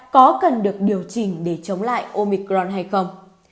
có cần được điều chỉnh để chống lại omicron hay không